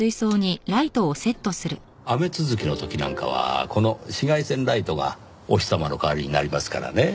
雨続きの時なんかはこの紫外線ライトがお日様の代わりになりますからね。